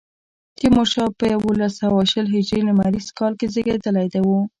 تیمورشاه په یوولس سوه شل هجري لمریز کال کې زېږېدلی و.